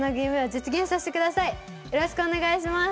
よろしくお願いします。